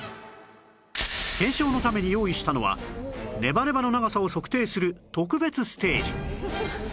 検証のために用意したのはネバネバの長さを測定する特別ステージ